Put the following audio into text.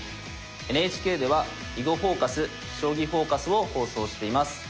ＮＨＫでは「囲碁フォーカス」「将棋フォーカス」を放送しています。